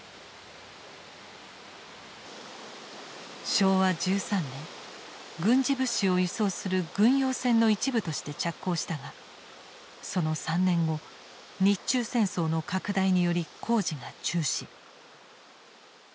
昭和１３年軍事物資を輸送する軍用線の一部として着工したがその３年後日中戦争の拡大により工事が中止。